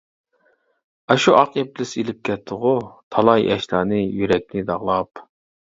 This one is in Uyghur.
ئاشۇ ئاق ئىبلىس ئېلىپ كەتتىغۇ، تالاي ياشلارنى يۈرەكنى داغلاپ.